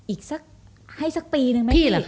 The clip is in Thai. อีกสักให้สักปีนึงไหมพี่